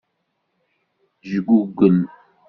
Jgugel.